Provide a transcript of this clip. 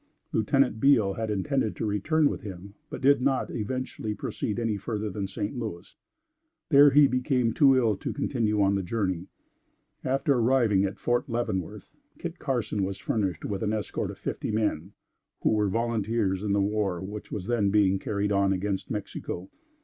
Lieutenant Beale had intended to return with him, but did not eventually proceed any further than St. Louis. There he became too ill to continue on the journey. After arriving at Fort Leavenworth, Kit Carson was furnished with an escort of fifty men, who were volunteers in the war which was then being carried on against Mexico.